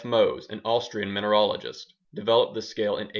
Mohs, an Austrian mineralogist, developed this scale in 1822.